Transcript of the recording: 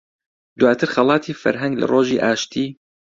دواتر خەڵاتی فەرهەنگ لە ڕۆژی ئاشتی